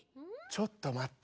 ちょっとまって。